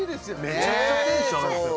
めちゃくちゃテンション上がりますよ